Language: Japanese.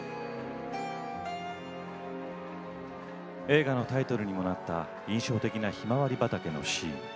映画のタイトルにもなった印象的なひまわり畑のシーン。